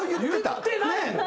言ってないよ。